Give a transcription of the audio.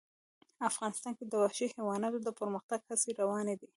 افغانستان کې د وحشي حیواناتو د پرمختګ هڅې روانې دي.